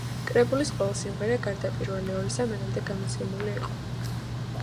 კრებულის ყველა სიმღერა, გარდა პირველი ორისა, მანამდე გამოუცემელი იყო.